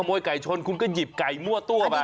เพราะตอนไหนชนคุณก็หยิบไก่มั่วตู้ไป